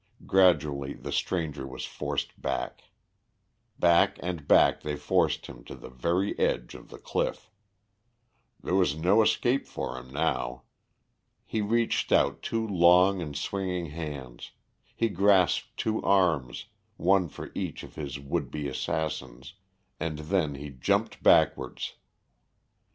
Gradually the stranger was forced back. Back and back they forced him to the very edge of the cliff. There was no escape for him now. He reached out two long and swinging hands; he grasped two arms, one for each of his would be assassins, and then he jumped backwards.